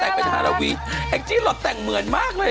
หนักเกลียดอยู่ไม่ดี